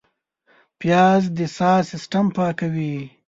پیاز د ساه سیستم پاکوي